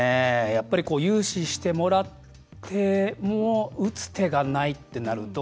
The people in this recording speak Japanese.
やっぱり融資してもらっても打つ手がないってなると。